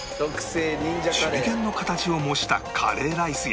手裏剣の形を模したカレーライスや